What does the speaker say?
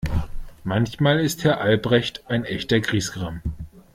Manchmal ist Herr Albrecht ein echter Griesgram.